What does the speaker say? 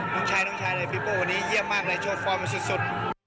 น้องชายพิโป้วันนี้เยี่ยมมาก่ับฝอมมาสุด